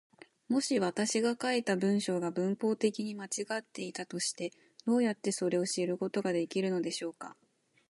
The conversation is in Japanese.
もし私が書いた文章が文法的に間違っていたとして、どうやってそれを知ることができるのでしょうか。